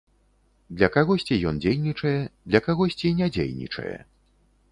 Для кагосьці ён дзейнічае, для кагосьці не дзейнічае.